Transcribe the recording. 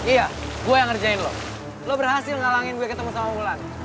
iya gue yang ngerjain lo lo berhasil ngalangin gue ketemu sama mulan